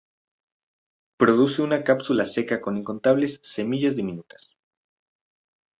Produce una cápsula seca con incontables semillas diminutas.